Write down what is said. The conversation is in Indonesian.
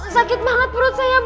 sakit banget perut saya